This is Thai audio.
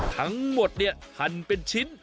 ทั้งหมดเนี่ยหั่นเป็นชิ้น